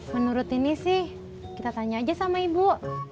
menurut ini sih kita tanya aja sama ibu